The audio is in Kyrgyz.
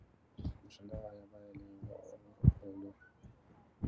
Башында аябай эле оор болду.